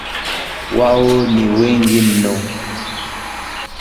Wao ni wengi mno